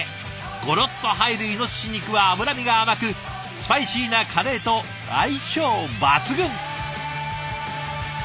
ゴロッと入るイノシシ肉は脂身が甘くスパイシーなカレーと相性抜群！